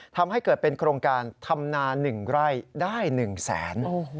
ทำให้เกิดเป็นโครงการทำนานหนึ่งไร่ได้หนึ่งแสน